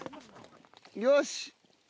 よし！